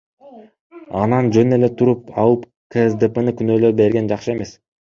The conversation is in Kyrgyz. Анан жөн эле туруп алып КСДПны күнөөлөй берген жакшы эмес.